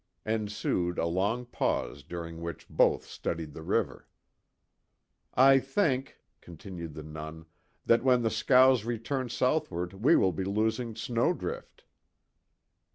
Ensued a long pause during which both studied the river. "I think," continued the Nun, "that when the scows return southward we will be losing Snowdrift."